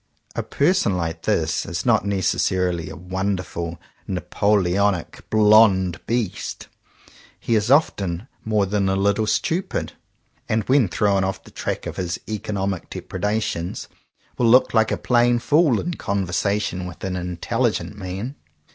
A person like this is not necessarily a wonderful Napoleonic "blond beast." He is often more than a little stupid; and when thrown off the track of his economic dep redations, will look like a plain fool in conversation with an intelligent man.